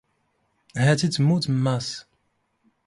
ⵀⴰⵜ ⵉ ⵜⵎⵎⵓⵜ ⵎⵎⴰⵙ.